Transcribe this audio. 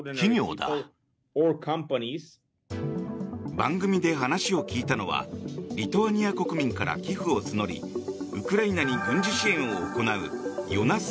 番組で話を聞いたのはリトアニア国民から寄付を募りウクライナに軍事支援を行うヨナス